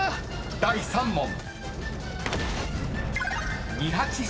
［第３問］